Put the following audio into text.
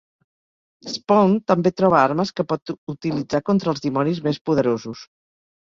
Spawn també troba armes que pot utilitzar contra els dimonis més poderosos.